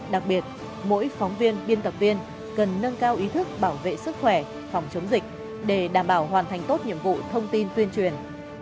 đặc biệt mỗi phóng viên biên tập viên cần nâng cao ý thức bảo vệ sức khỏe phòng chống dịch để đảm bảo hoàn thành tốt nhiệm vụ thông tin tuyên truyền